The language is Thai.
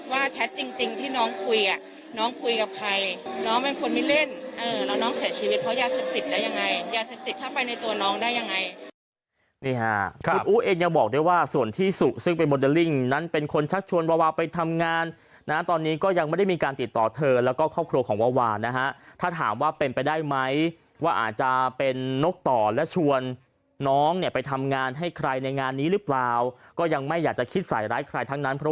ว่าแชทจริงที่น้องคุยกับใครน้องคุยกับใครน้องคุยกับใครน้องคุยกับใครน้องคุยกับใครน้องคุยกับใครน้องคุยกับใครน้องคุยกับใครน้องคุยกับใครน้องคุยกับใครน้องคุยกับใครน้องคุยกับใครน้องคุยกับใครน้องคุยกับใครน้องคุยกับใครน้องคุยกับใครน้องคุยกับใครน้องคุยกับใครน้องคุยกับใ